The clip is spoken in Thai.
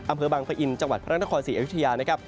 อำเภอบังพะอินทร์จังหวัดพระนครศรีอยุธยา